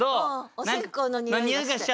お線香のにおいがして。